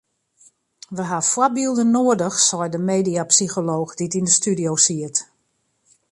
We ha foarbylden noadich sei de mediapsycholooch dy't yn de studio siet.